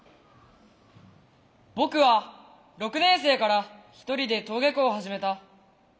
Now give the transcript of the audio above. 僕は６年生から一人で登下校を始めた。